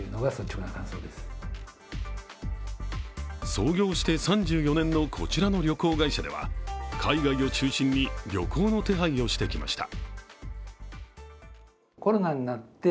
創業して３４年のこちらの旅行会社では海外を中心に旅行の手配をしてきました。